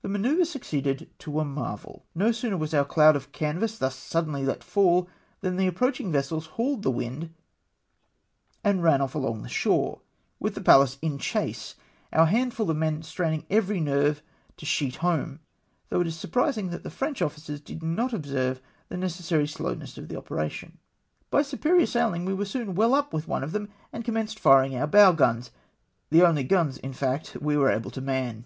The manoeuvre succeeded to a marvel No sooner was our cloud of canvass thus suddenly let fall than the approaching vessels hauled the wind, and ran off along shore, with the Pallas in chase, our handful of men straining every nerve to sheet home, though it is surprising that the French officers did not observe the necessary slowness of the operation. By superior saihng we were soon well up with one of them, and commenced firing our bow guns — the only guns, hi fact, we were able to man.